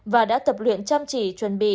và đã tập luyện chăm chỉ chuẩn bị